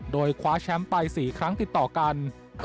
โดยคว้าแชมป์ไป๔ครั้งติดต่อกัน